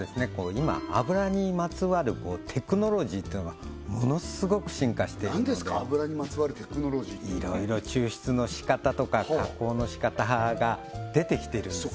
今油にまつわるテクノロジーっていうのがものすごく進化しているので何ですか油にまつわるテクノロジーいろいろ抽出のしかたとか加工のしかたが出てきてるんですよ